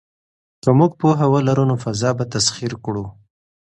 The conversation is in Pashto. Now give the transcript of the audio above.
که موږ پوهه ولرو نو فضا به تسخیر کړو.